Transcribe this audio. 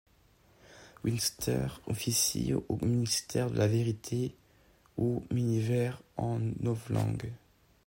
Winston officie au ministère de la Vérité, ou Miniver en novlangue.